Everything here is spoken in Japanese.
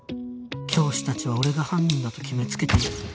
教師たちは俺が犯人だと決めつけている